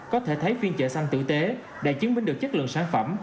có thể thấy phiên chợ xanh tử tế đã chứng minh được chất lượng sản phẩm